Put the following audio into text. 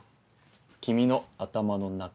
君の頭の中。